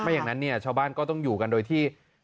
อย่างนั้นเนี่ยชาวบ้านก็ต้องอยู่กันโดยที่